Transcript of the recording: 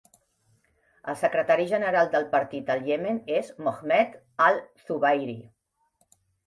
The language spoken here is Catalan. El secretari general del partit al Iemen és Mohammed Al-Zubairy.